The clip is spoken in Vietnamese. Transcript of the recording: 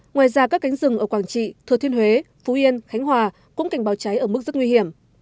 ngoài ra các cánh rừng ở quảng trị thừa thiên huế phú yên khánh hòa cũng cảnh báo cháy ở mức rất nguy hiểm